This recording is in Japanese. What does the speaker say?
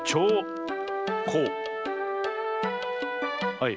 はい。